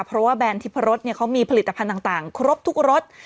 เพราะว่าแบนทิพรสเขามีผลิตภัณฑ์ต่างครบทุกรส